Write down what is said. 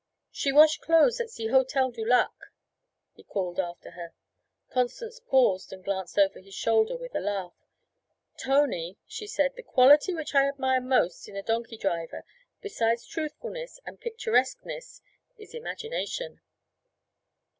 'She wash clothes at ze Hotel du Lac,' he called after her. Constance paused and glanced over her shoulder with a laugh. 'Tony,' she said, 'the quality which I admire most in a donkey driver, besides truthfulness and picturesqueness, is imagination.'